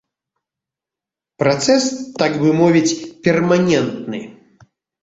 Працэс, так бы мовіць, перманентны.